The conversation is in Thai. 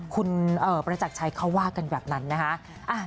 คุณประจักรชัยเขาว่ากันแบบนั้นนะคะ